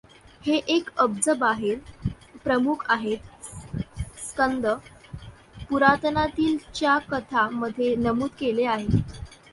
हे एक अब्ज बाहेर, प्रमुख आहेत स्कंद पुराणातील च्या कथा मध्ये नमूद केले आहे.